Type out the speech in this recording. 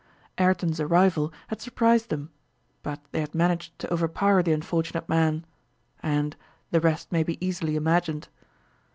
Ayrton's arrival had surprised them, but they had managed to overpower the unfortunate man, and the rest may be easily imagined!